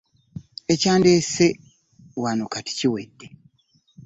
Ekyandeese wano kati biwedde.